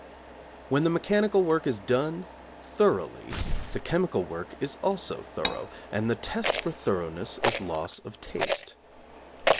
When the mechanical work is done thoroughly the chemical work is also thorough, and the test for thoroughness is loss of taste.